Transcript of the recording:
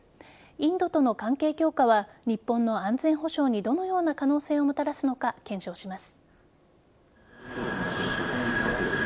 インドとの関係強化は日本の安全保障にどのような可能性をもたらすのか検証します。